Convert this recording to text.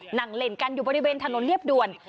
นั่งเล่นกันอยู่บริเวณถนนเรียบด่วน